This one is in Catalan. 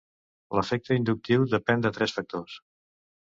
L'efecte inductiu depèn de tres factors.